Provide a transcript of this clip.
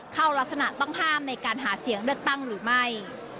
เข้ารักษณะต้องห้ามในการหาเสียงเลือกตั้งหรือไม่